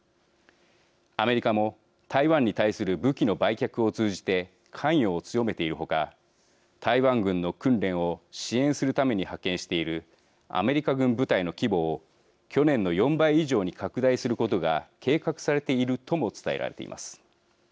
アメリカも台湾に対する武器の売却を通じて関与を強めているほか台湾軍の訓練を支援するために派遣しているアメリカ軍部隊の規模を去年の４倍以上に拡大することが計画されているとも伝えられています。